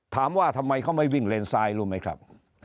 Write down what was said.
ถามว่าทำไมเขาไม่วิ่งเลนซ้ายรู้ไหมครับ